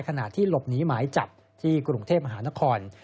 ขณะที่หลบหนีหมายจับที่กรุงเทพมหานคร